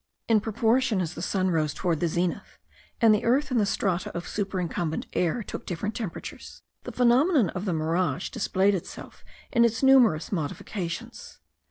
In proportion as the sun rose towards the zenith, and the earth and the strata of superincumbent air took different temperatures, the phenomenon of the mirage displayed itself in its numerous modifications.